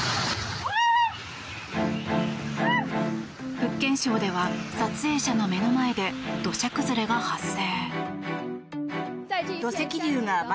福建省では撮影者の目の前で土砂崩れが発生。